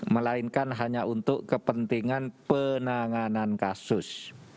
melainkan hanya untuk kepentingan penanganan kasus